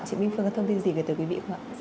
chị minh phương có thông tin gì về từ quý vị không ạ